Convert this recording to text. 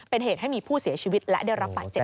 เป็นเหตุให้มีผู้เสียชีวิตและได้รับบาดเจ็บ